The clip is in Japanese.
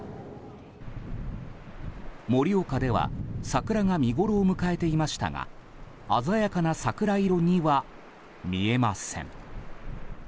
盛岡では桜が見ごろを迎えていましたが鮮やかな桜色には見えません。